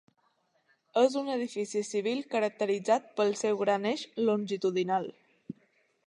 És un edifici civil caracteritzat pel seu gran eix longitudinal.